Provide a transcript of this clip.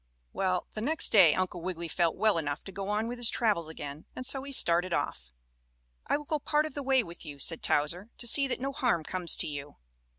Well, the next day Uncle Wiggily felt well enough to go on with his travels again and so he started off. "I will go part of the way with you," said Towser, "to see that no harm comes to you."